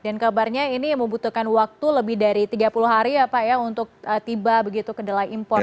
dan kabarnya ini membutuhkan waktu lebih dari tiga puluh hari ya pak ya untuk tiba begitu kedelai impor